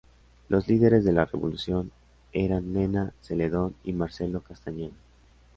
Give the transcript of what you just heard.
Los líderes de la revolución eran Mena, Zeledón y Marcelo Castañeda.